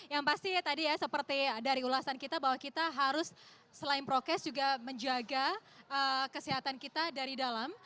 yang pasti tadi ya seperti dari ulasan kita bahwa kita harus selain prokes juga menjaga kesehatan kita dari dalam